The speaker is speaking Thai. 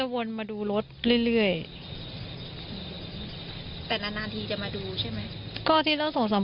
พรีมม่าสติกดีมั้ยค่ะ